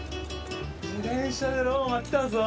自転車でローマ来たぞ。